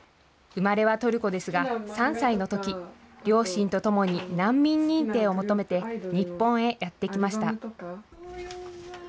生まれはトルコですが、３歳のとき、両親と共に難民認定を求めて、日本へやって来ました。